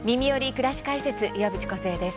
くらし解説」岩渕梢です。